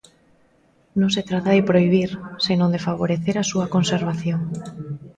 "Non se trata de prohibir, senón de favorecer a súa conservación".